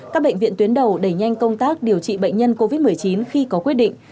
các bệnh viện tuyến đầu đẩy nhanh công tác điều trị bệnh nhân covid một mươi chín khi có quyết định